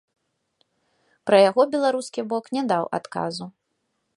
Пра яго беларускі бок не даў адказу.